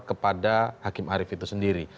kepada hakim arief itu sendiri